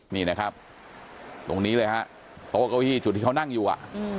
นี่นะครับตรงนี้เลยฮะโต๊ะเก้าอี้จุดที่เขานั่งอยู่อ่ะ